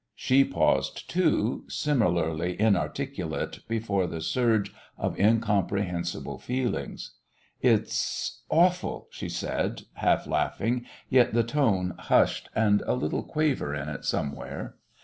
She paused, too, similarly inarticulate before the surge of incomprehensible feelings. "It's awful," she said, half laughing, yet the tone hushed and a little quaver in it somewhere.